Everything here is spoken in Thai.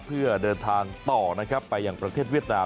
เพื่อเดินทางต่อนะครับไปอย่างประเทศเวียดนาม